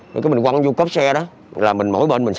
rồi mình quăng vô cấp xe đó